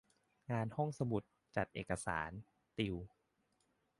งานห้องสมุด จัดเอกสาร ติว